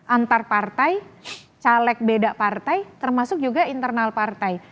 antar partai caleg beda partai termasuk juga internal partai